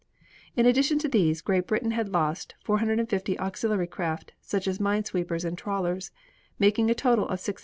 In addition to these, Great Britain had lost 450 auxiliary craft, such as mine sweepers and trawlers, making a total of 680.